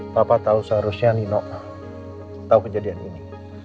papa tahu seharusnya nino a tahu kejadian ini